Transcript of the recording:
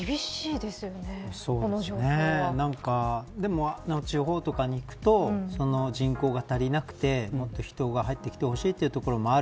でも、地方とかにいくと人口が足りなくてもっと人が入ってきてほしいというところもある。